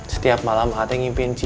setiap malam a a teh ngingpin cici